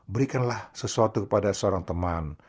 berikanlah sesuatu kepada seorang teman